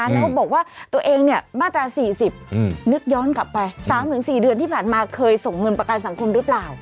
แล้วก็บอกว่าตัวเองเนี่ยมาตราสี่สิบนึกย้อนกลับไปสามถึงสี่เดือนที่ผ่านมาเคยส่งเงินประกันสังคมรึเปล่า